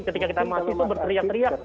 ketika kita mahasiswa berteriak teriak